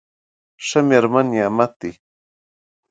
ښه مېرمن نعمت دی.